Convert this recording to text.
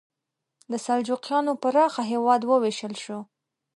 د سلجوقیانو پراخه هېواد وویشل شو.